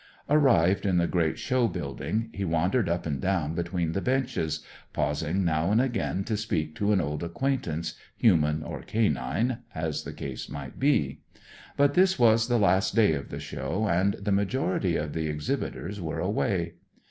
Arrived in the great show building, he wandered up and down between the benches, pausing now and again to speak to an old acquaintance, human or canine, as the case might be. But this was the last day of the show, and the majority of the exhibitors were away.